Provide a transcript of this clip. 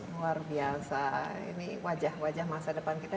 luar biasa ini wajah wajah masa depan kita